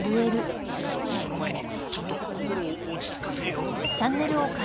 そその前にちょっと心を落ち着かせよう。